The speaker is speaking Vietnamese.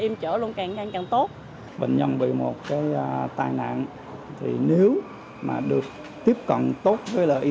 em chở luôn càng ngăn càng tốt bệnh nhân bị một cái tai nạn thì nếu mà được tiếp cận tốt với lợi y